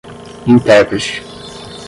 intérprete